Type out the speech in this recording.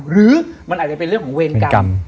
หรือมันอาจจะเป็นเรื่องของเวรกรรม